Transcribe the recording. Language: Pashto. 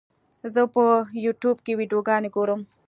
زه په یوټیوب کې ویډیوګانې ګورم.